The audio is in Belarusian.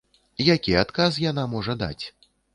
Які адказ яна можа даць?